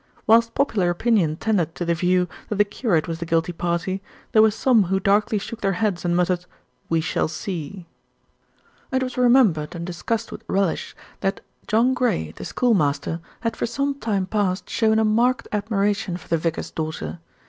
Whilst popular opinion tended to the view that the curate was the guilty party, there were some who darkly shook their heads and muttered, "We shall see." It was remembered and discussed with relish that John Gray, the schoolmaster, had for some time past shown a marked admiration for the vicar's daughter.